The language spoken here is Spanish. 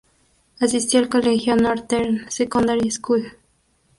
Asistió al colegio Northern Secondary School.